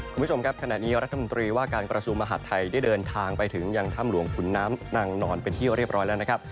คุณผู้ชมครับขณะนี้รัฐมนตรีว่าการกระทรวงมหาดไทยได้เดินทางไปถึงยังถ้ำหลวงขุนน้ำนางนอนเป็นที่เรียบร้อยแล้วนะครับ